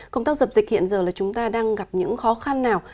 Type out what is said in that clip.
công tác dập dịch hiện giờ là chúng ta đang gặp những khó khăn nào